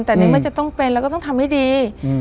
แต่ในเมื่อจะต้องเป็นเราก็ต้องทำให้ดี